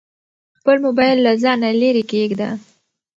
خپل موبایل له ځانه لیرې کېږده.